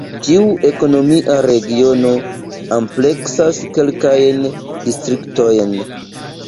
Ĉiu ekonomia regiono ampleksas kelkajn distriktojn.